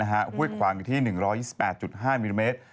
ห้วยขวางอยู่ที่๑๒๘๕มิลลิเมตร